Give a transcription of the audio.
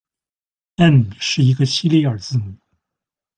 И̃ и̃， 是一个西里尔字母。